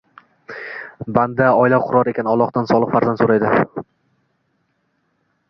Banda oila qurar ekan, Allohdan solih farzand so‘raydi.